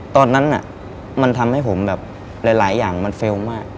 ตอนนั้นมันทำให้ผมแบบหลายอย่างมันเฟลล์มาก